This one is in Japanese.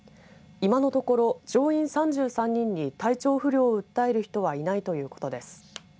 今のところ乗員３３人に体調不良を訴える人はいないということです。